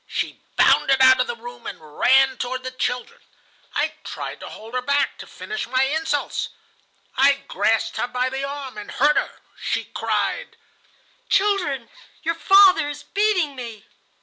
"She bounded out of the room and ran toward the children. I tried to hold her back to finish my insults. I grasped her by the arm, and hurt her. She cried: 'Children, your father is beating me.